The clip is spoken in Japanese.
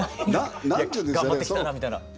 頑張ってきたなみたいな。